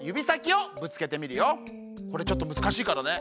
これちょっとむずかしいからね。